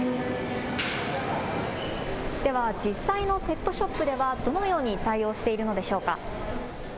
では実際のペットショップではどのように対応しているんでしょうか。